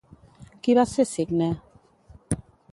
Qui va ser Cicne?